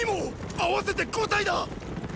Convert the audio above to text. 合わせて五隊だ！